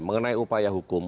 mengenai upaya hukum